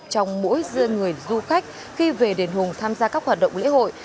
trong mỗi dân người du khách khi về đền hùng tham gia các hoạt động lễ hội